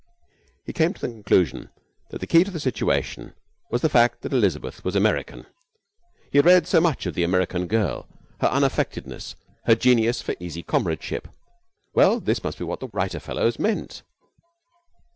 He came to the conclusion that the key to the situation was the fact that Elizabeth was American. He had read so much of the American girl, her unaffectedness, her genius for easy comradeship. Well, this must be what the writer fellows meant.